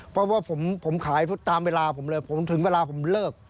เพราะว่าผมขายตามเวลาผมเลยผมถึงเวลาผมเลิก